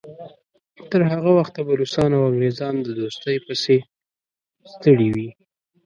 تر هغه وخته به روسان او انګریزان د دوستۍ پسې ستړي وي.